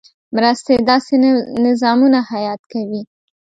مرستې داسې نظامونه حیات کوي.